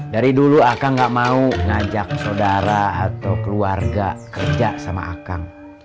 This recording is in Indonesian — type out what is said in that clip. dari dulu aka gak mau ngajak saudara atau keluarga kerja sama akag